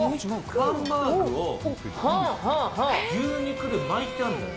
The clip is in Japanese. ハンバーグを牛肉で巻いてあんのよ。